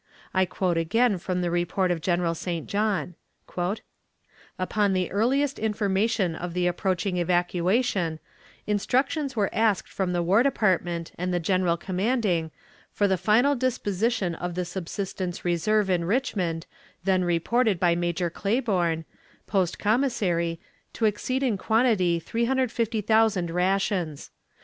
I quote again from the report of General St. John: "Upon the earliest information of the approaching evacuation, instructions were asked from the War Department and the General commanding for the final disposition of the subsistence reserve in Richmond, then reported by Major Claiborne, post commissary, to exceed in quantity 350,000 rations.